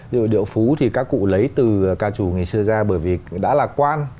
ví dụ điệu phú thì các cụ lấy từ ca trù ngày xưa ra bởi vì đã lạc quan